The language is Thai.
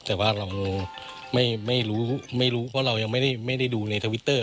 แต่ว่าเราไม่รู้ไม่รู้เพราะเรายังไม่ได้ดูในทวิตเตอร์